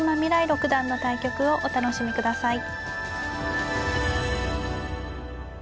六段の対局をお楽しみください。